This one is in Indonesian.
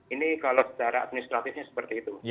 ini kalau secara administratifnya seperti itu